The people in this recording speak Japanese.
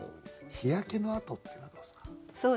「日焼けの跡」っていうのはどうですか？